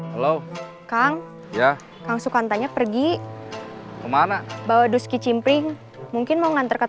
halo kang ya kang suka tanya pergi kemana bawa duski cimpring mungkin mau ngantarkan